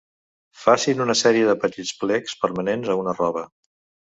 Facin una sèrie de petits plecs permanents a una roba.